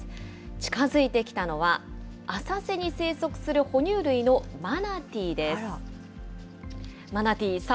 近づいてきたのは浅瀬に生息する哺乳類のマナティーです。